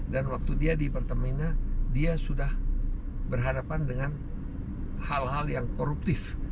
waktu dia di pertamina dia sudah berhadapan dengan hal hal yang koruptif